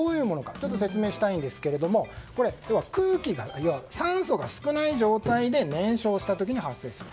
ちょっと説明したいんですが酸素が少ない状態で燃焼した時に発生する。